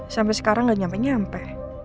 sampai sekarang gak nyampe nyampe